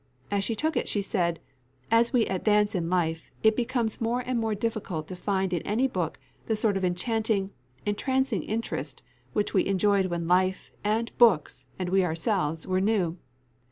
As she took it she said, "As we advance in life, it becomes more and more difficult to find in any book the sort of enchanting, entrancing interest which we enjoyed when life, and, books, and we ourselves were new.